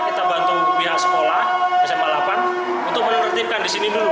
kita bantu pihak sekolah sma delapan untuk menertibkan di sini dulu